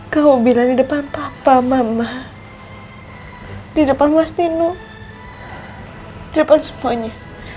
kau bilang di depan papa mama hai di depan mas nino hai depan semuanya